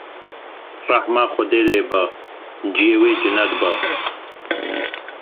Rehma Xwedê lê be, ciyê wê cinet be.